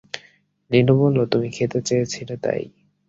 নীলু বলল, তুমি খেতে চেয়েছিলে, তাই।